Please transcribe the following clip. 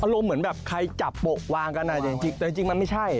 เหมือนแบบใครจับโปะวางกันจริงแต่จริงมันไม่ใช่